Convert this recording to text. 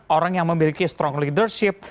orang yang memiliki strong leadership